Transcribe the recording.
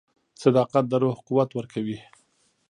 • صداقت د روح قوت ورکوي.